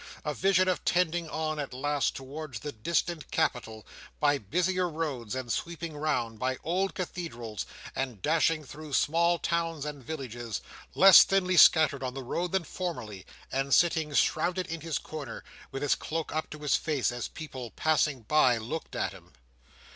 A vision of tending on at last, towards the distant capital, by busier roads, and sweeping round, by old cathedrals, and dashing through small towns and villages, less thinly scattered on the road than formerly, and sitting shrouded in his corner, with his cloak up to his face, as people passing by looked at him.